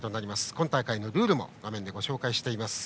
今大会のルールも画面でご紹介しています。